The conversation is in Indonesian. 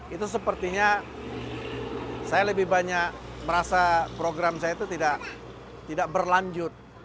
itu sepertinya saya lebih banyak merasa program saya itu tidak berlanjut